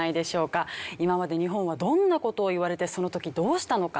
今まで日本はどんな事を言われてその時どうしたのか？